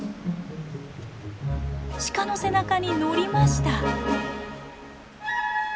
⁉シカの背中に乗りました。